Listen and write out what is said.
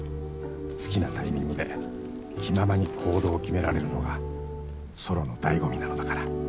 ［好きなタイミングで気ままに行動を決められるのがソロの醍醐味なのだから］